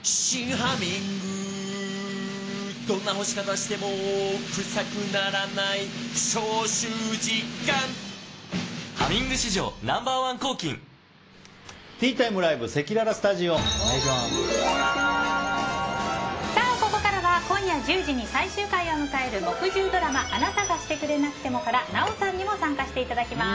「ハミング」史上Ｎｏ．１抗菌ここからは今夜１０時に最終回を迎える木１０ドラマ「あなたがしてくれなくても」から奈緒さんにも参加していただきます。